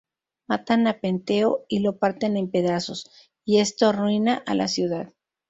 Matan a Penteo y lo parten en pedazos, y esto arruina a la ciudad.